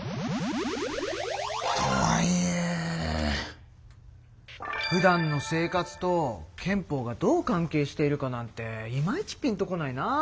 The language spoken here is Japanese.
とはいえ。ふだんの生活と憲法がどう関係しているかなんてイマイチピンと来ないな。